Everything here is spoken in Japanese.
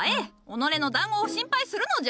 己の団子を心配するのじゃ。